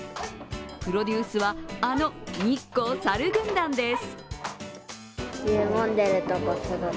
プロデュースは、あの日光さる軍団です。